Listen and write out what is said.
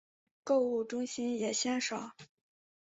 购物中心也鲜少。